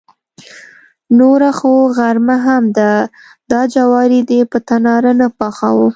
نوره خو غرمه هم ده، دا جواری دې په تناره نه پخاوه.